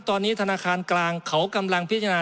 ตอนนี้ธนาคารกลางเขากำลังพิจารณา